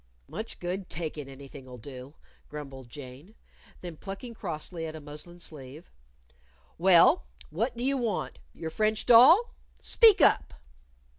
"Much good takin' anything'll do!" grumbled Jane. Then, plucking crossly at a muslin sleeve, "Well, what do you want? Your French doll? Speak up!"